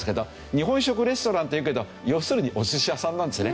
日本食レストランっていうけど要するにお寿司屋さんなんですね。